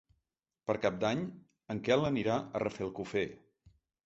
Per Cap d'Any en Quel anirà a Rafelcofer.